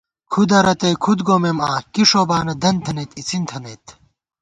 کُھدہ رتئ کُھد گومېم آں، کی ݭوبانہ دنت تھنَئیت اِڅِن تھنَئیت